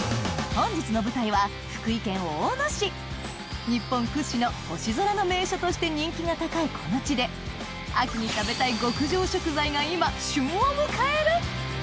本日の舞台は日本屈指の星空の名所として人気が高いこの地でが今旬を迎える！